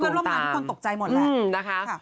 เพื่อร่วมกันทุกคนตกใจหมดแล้ว